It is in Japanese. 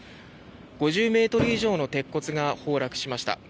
５０ｍ以上の鉄骨が崩落しました。